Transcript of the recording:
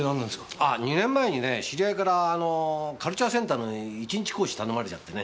あぁ２年前にね知り合いからあのカルチャーセンターの一日講師頼まれちゃってね。